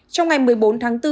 trong ngày một mươi bốn tháng bốn